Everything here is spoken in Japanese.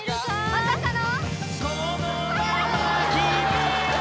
まさかの？